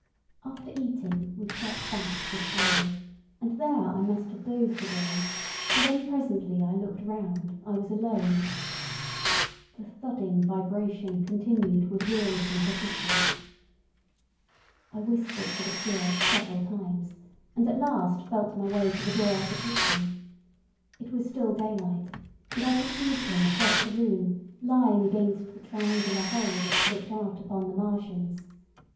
After eating we crept back to the scullery, and there I must have dozed again, for when presently I looked round I was alone. The thudding vibration continued with wearisome persistence. I whispered for the curate several times, and at last felt my way to the door of the kitchen. It was still daylight, and I perceived him across the room, lying against the triangular hole that looked out upon the Martians.